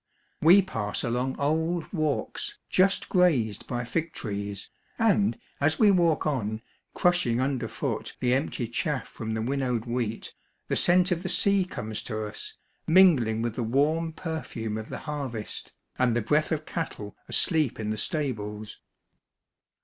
We pass along old walks, just grazed by fig trees, and, as we walk on, crushing underfoot the empty chaff from the winnowed wheat, the scent of the sea comes to us, mingling with the warm perfume of the harvest, and the breath of cattle asleep in the stables.